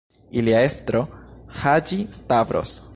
Ilia estro, Haĝi-Stavros.